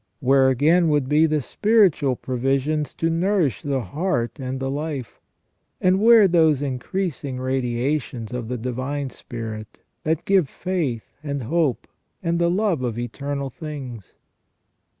Where, again, would be the spiritual provisions to nourish the heart and the hfe ? And where those increasing radiations of the Divine Spirit, that give faith, and hope, and the love of eternal things